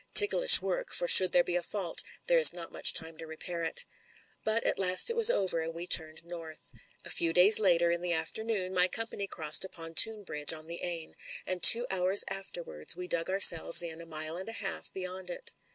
Ticklish work, for should there be a fault, there is not much time to repair it. But at last it was over, and we turned North. A few days later, in the afternoon, my company crossed a pontoon bridge on the Aisne, and two hours after wards we dug ourselves in a mile and a half beyond it.